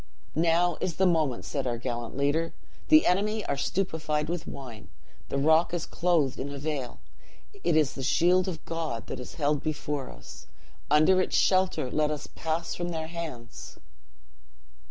'Now is the moment!' said our gallant leader; 'the enemy are stupefied with wine, the rock is clothed in a veil! it is the shield of God that is held before us! under its shelter let us pass from their hands!"